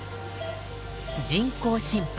人工心肺